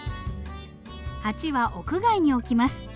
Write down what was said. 鉢は屋外に置きます。